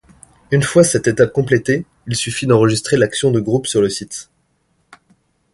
Une fois cette étape complétée, il suffit d’enregistrer l’Action de Groupe sur le site.